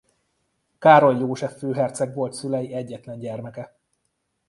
Károly József főherceg volt szülei egyetlen gyermeke.